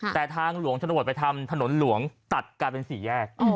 แต่ทางหลวงชนบทไปทำถนนหลวงตัดกลายเป็นสี่แยก